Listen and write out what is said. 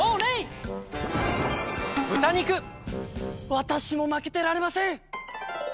わたしもまけてられません！